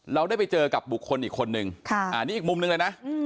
เราได้ไปเจอกับบุคคลอีกคนนึงค่ะอ่านี่อีกมุมนึงเลยนะอืม